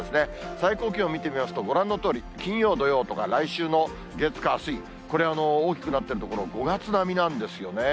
最高気温見てみますと、ご覧のとおり、金曜、土曜とか、来週の月、火、水、これ、大きくなっている所、５月並みなんですよね。